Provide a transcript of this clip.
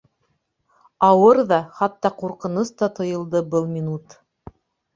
Ауыр ҙа, хатта ҡурҡыныс та тойолдо был минут.